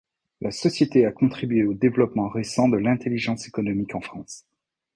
La société a contribué au développement récent de l'intelligence économique en France.